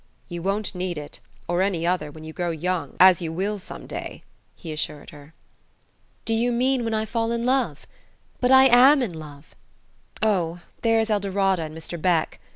"You won't need it or any other when you grow young, as you will some day," he assured her. "Do you mean, when I fall in love? But I am in love Oh, there's Eldorada and Mr. Beck!"